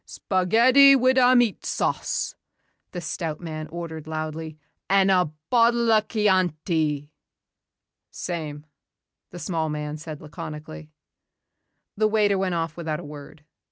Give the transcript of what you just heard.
"Spaghetti wid' a meat sauce," the stout man ordered loudly, "an' a bottle a' Chianti." "Same," the small man said laconically. The waiter went off without a word.